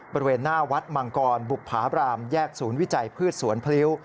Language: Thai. บริเวณหน้าวัดมังกรบุภาบรามแยกศูนย์วิจัยพืชสวนพลิ้ว